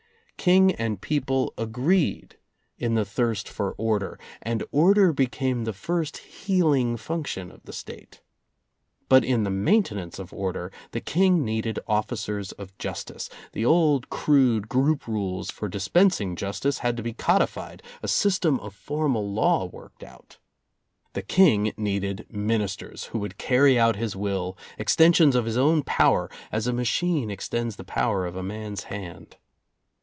King and people agreed in the thirst for order, and order became the first healing function of the State. But in the maintenance of order, the King needed officers of justice; the old crude group rules for dispensing justice had to be codified, a system of formal law worked out. The King needed ministers, who would carry out his will, extensions of his own power, as a machine extends the power of a man's hand.